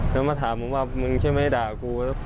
แล้วมาถามเห็นว่ามึงใช่ไหมไดด่ากู